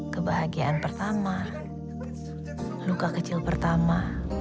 kebahagiaan pertama luka kecil pertama